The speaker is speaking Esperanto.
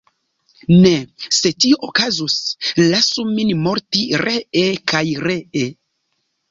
Ne, se tio okazus, lasu min morti ree kaj ree."".